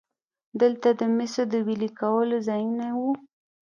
دلته د مسو د ویلې کولو ځایونه وو